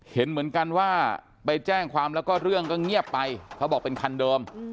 เห็นเหมือนกันว่าไปแจ้งความแล้วก็เรื่องก็เงียบไปเขาบอกเป็นคันเดิม